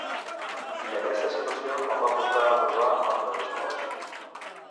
I aquesta situació el va portar a provar altres esports.